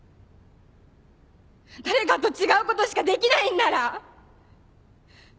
誰かと違うことしかできないんなら。